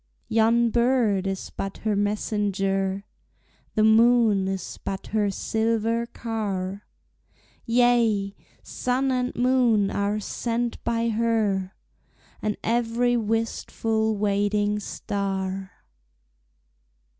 Yon bird is but her messenger, The moon is but her silver car; Yea! sun and moon are sent by her, And every wistful waiting star.